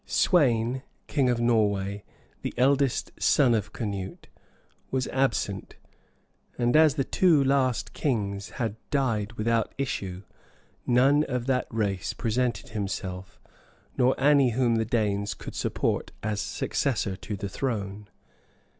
Sweyn, king of Norway, the eldest son of Canute, was absent; and as the two last kings had died without issue, none of that race presented himself, nor any whom the Danes could support as successor to the throne.